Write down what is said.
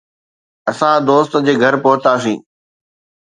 اسان دوست جي گهر پهتاسين.